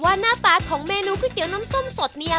หน้าตาของเมนูก๋วยเตี๋ยวน้ำส้มสดเนี่ย